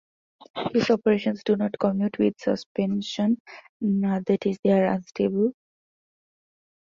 These operations do not commute with suspension, that is they are unstable.